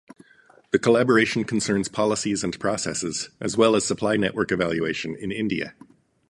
The collaboration concerns policies and processes, as well as supply network evaluation in India.